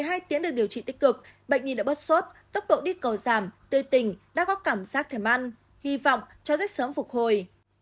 sau một mươi hai tiếng được điều trị tích cực bệnh nhi đã bớt suất tốc độ đi cầu giảm tươi tình đã có cảm giác thèm ăn hy vọng cho rất sớm phục hồi